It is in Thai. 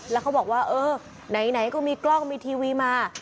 แล้วเขาบอกว่าเออไหนก็มีกล้องมีทีวีมา